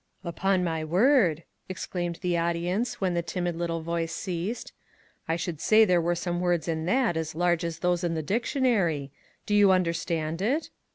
" Upon my word !" exclaimed the audience, when the timid little voice ceased. " I should say there were some words in that as large as those in the dictionary. Do you understand it?"